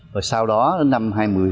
rồi sau đó đến năm hai nghìn hai mươi